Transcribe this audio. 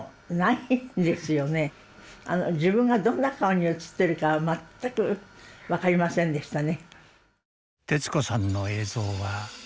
自分がどんな顔に映ってるか全く分かりませんでしたね。